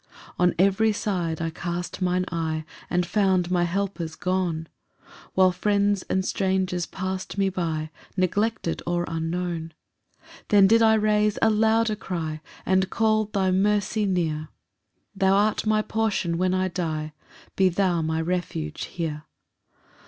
3 On every side I cast mine eye, And found my helpers gone, While friends and strangers pass'd me by Neglected or unknown. 4 Then did I raise a louder cry, And call'd thy mercy near, "Thou art my portion when I die, "Be thou my refuge here."